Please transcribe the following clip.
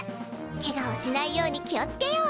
ケガをしないように気をつけよう！